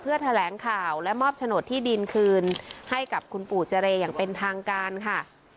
แถลงข่าวและมอบโฉนดที่ดินคืนให้กับคุณปู่เจรอย่างเป็นทางการค่ะ